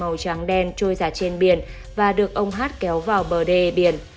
màu trắng đen trôi giặt trên biển và được ông hát kéo vào bờ đê biển